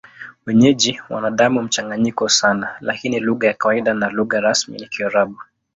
Wenyeji wana damu mchanganyiko sana, lakini lugha ya kawaida na lugha rasmi ni Kiarabu.